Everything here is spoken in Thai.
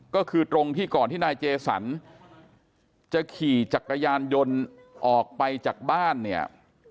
ก็คือตรงที่ก่อนที่นายเจสันจะขี่จักรยานยนต์ออกไปจากบ้านเนี่ย